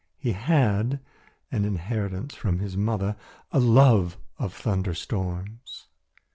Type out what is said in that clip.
He had an inheritance from his mother a love of thunderstorms.